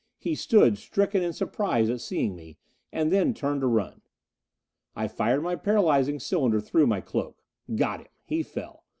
He stood stricken in surprise at seeing me. And then turned to run. I fired my paralyzing cylinder through my cloak. Got him! He fell.